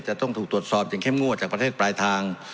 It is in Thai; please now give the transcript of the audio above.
จะต้องถูกตรวจสอบจากเข้มงวดให้ในประเทศปลายทาง